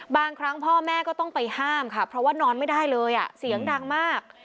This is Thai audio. บางครั้งพ่อแม่ก็ต้องไปห้ามค่ะเพราะว่านอนไม่ได้เลยเสียงดังมาก